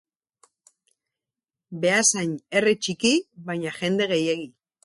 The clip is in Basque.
Beasain herri txiki, baina jende gehiegi.